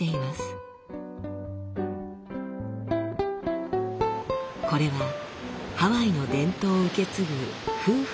これはハワイの伝統を受け継ぐ夫婦のお話。